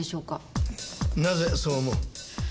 なぜそう思う？